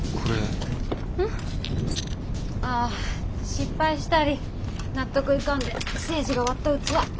失敗したり納得いかんで青爾が割った器。